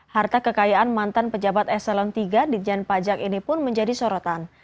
harta kekayaan mantan pejabat eselon iii di jen pajak ini pun menjadi sorotan